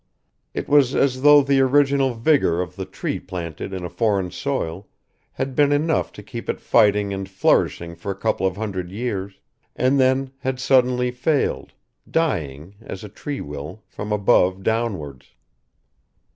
It was as though the original vigour of the tree planted in a foreign soil had been enough to keep it fighting and flourishing for a couple of hundred years and then had suddenly failed, dying, as a tree will, from above downwards.